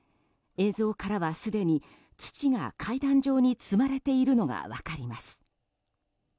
映像からは、すでに土が階段状に積まれているのが分かります。